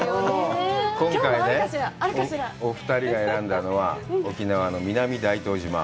今回ね、お二人が選んだのは、沖縄の南大東島。